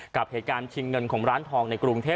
กับเหตุการณ์ชิงเงินของร้านทองในกรุงเทพ